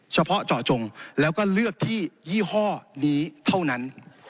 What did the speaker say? เฉพาะเจาะจงแล้วก็เลือกที่ยี่ห้อนี้เท่านั้น